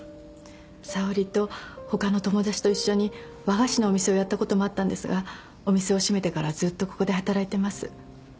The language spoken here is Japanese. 沙織と他の友達と一緒に和菓子のお店をやったこともあったんですがお店を閉めてからずっとここで働いてます。